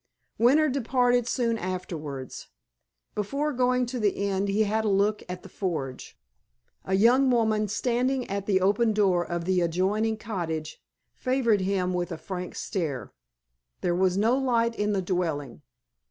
Winter departed soon afterwards. Before going to the inn he had a look at the forge. A young woman, standing at the open door of the adjoining cottage, favored him with a frank stare. There was no light in the dwelling.